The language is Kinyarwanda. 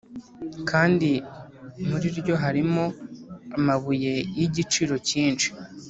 kandi muri ryo harimo amabuye y’igiciro cyinshi.